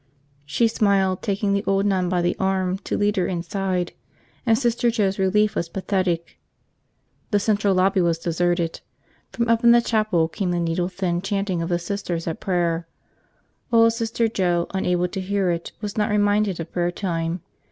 She smiled, taking the old nun by the arm to lead her inside, and Sister Joe's relief was pathetic. The central lobby was deserted. From up in the chapel came the needle thin chanting of the Sisters at prayers. Old Sister Joe, unable to hear it, was not reminded of prayer time.